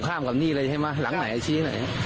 จะนอนที่ร้านนี้